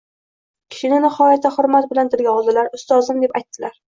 kishini nihoyatda xurmat bilan tilga oldilar. Ustozim – deb aytdilar.